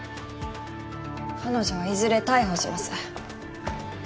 彼女はいずれ逮捕します。